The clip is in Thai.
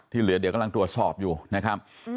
เหลือเดี๋ยวกำลังตรวจสอบอยู่นะครับ